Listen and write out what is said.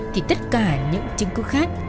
thì tất cả những chứng cứ khác